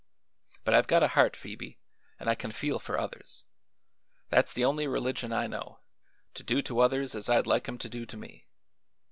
But I've got a heart, Phoebe, an' I can feel for others. That's the only religion I know; to do to others as I'd like 'em to do to me.